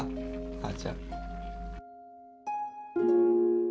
母ちゃん。